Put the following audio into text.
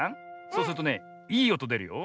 そうするとねいいおとでるよ。